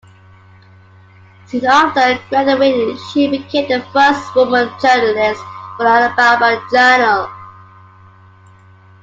Soon after graduating she became the first woman journalist for the "Alabama Journal".